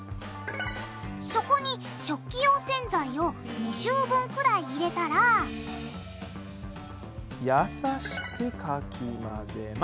そこに食器用洗剤を２周分くらい入れたらやさしくかき混ぜます！